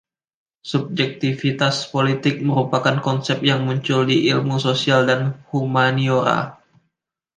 Subjektivitas politik merupakan konsep yang muncul di ilmu sosial dan humaniora.